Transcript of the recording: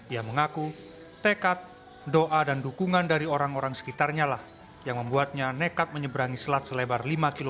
ia mengaku tekad doa dan dukungan dari orang orang sekitarnya lah yang membuatnya nekat menyeberangi selat selebar lima kg